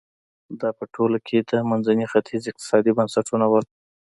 دا په ټوله کې د منځني ختیځ اقتصادي بنسټونه وو.